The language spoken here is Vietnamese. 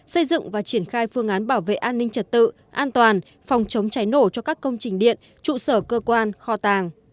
xây dựng và triển khai phương án bảo vệ an ninh trật tự an toàn phòng chống cháy nổ cho các công trình điện trụ sở cơ quan kho tàng